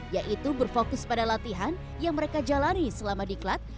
yaitu berfokus pada latihan yang mereka jalani selama diklat